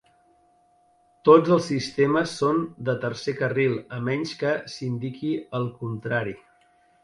Tots els sistemes són de tercer carril a menys que s'indiqui el contrari.